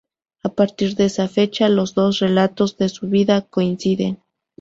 A partir de esta fecha, los dos relatos de su vida coinciden.